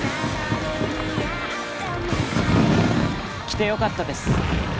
来てよかったです